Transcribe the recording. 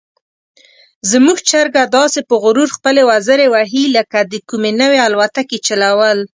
زموږ چرګه داسې په غرور خپلې وزرې وهي لکه د کومې نوې الوتکې چلول.